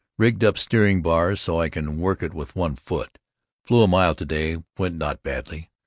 Rigged up steering bar so I can work it with one foot. Flew a mile to day, went not badly.